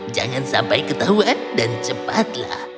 jangan sampai ketahuan dan cepatlah